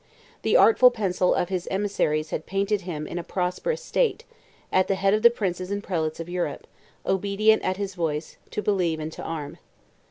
The artful pencil of his emissaries had painted him in a prosperous state; at the head of the princes and prelates of Europe, obedient at his voice, to believe and to arm.